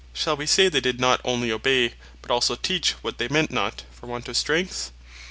Shall we say they did not onely obey, but also teach what they meant not, for want of strength?